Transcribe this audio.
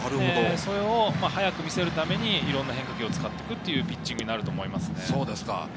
それを速く見せるためにいろんな変化球を使っていくというピッチングになると思います。